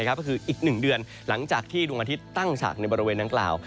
ก็คืออีก๑เดือนหลังจากที่ดวงอาทิตย์ตั้งฉากในบริเวณดังกล่าว